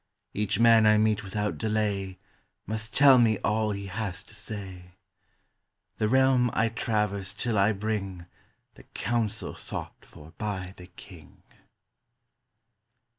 Each man I meet without delay Must tell me all he has to say. The realm I traverse till I bring The counsel sought for by the King.